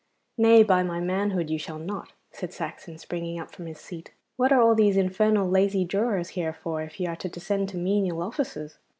'Nay, by my manhood, you shall not,' said Saxon, springing up from his seat. 'What are all these infernal lazy drawers here for if you are to descend to menial offices?